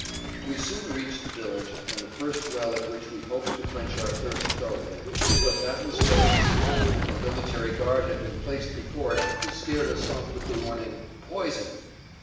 We soon reached the village and the first well at which we hoped to quench our thirst thoroughly. But that was no easy matter, for a military guard had been placed before it who scared us off with the warning, "Poisoned"!